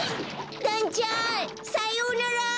だんちゃんさようなら！